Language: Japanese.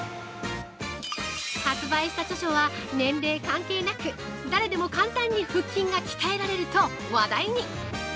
発売した著書は、年齢関係なく誰でも簡単に腹筋が鍛えられると話題に！